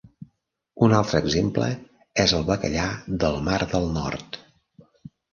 Un altre exemple és el bacallà del mar del Nord.